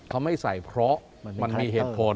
เขาไม่ใส่เพราะมันมีเหตุผล